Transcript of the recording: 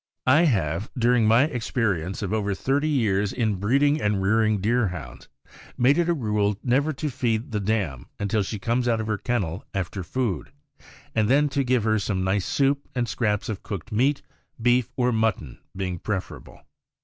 I have, during my experience of over thirty years in breeding and rearing Deerhounds, made it a rule never to feed the dam until she comes out of her kennel after food, and then to give her some nice soup and scraps of cooked meat, beef or mutton being preferable.